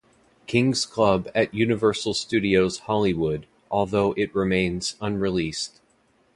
King's Club at Universal Studios Hollywood although it remains unreleased.